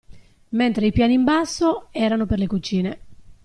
Mentre i piani in basso erano per le cucine.